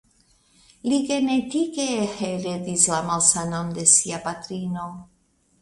Li genetike heredis la malsanon de sia patrino.